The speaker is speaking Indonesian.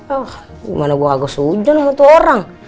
oh gimana gua gak seuzan untuk orang